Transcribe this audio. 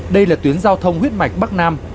đây là tuyến giao thông huyết mạch bắc nam